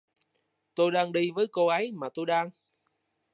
Tôi đang đi với cô ấy mà tôi đang